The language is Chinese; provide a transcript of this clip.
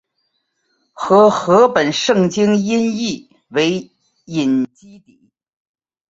和合本圣经音译为隐基底。